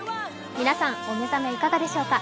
皆さん、お目覚めいかがでしょうか。